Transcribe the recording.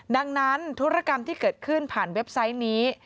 ดังนั้นธุรกรรมที่เกิดขึ้นผ่านเว็บไซต์นี้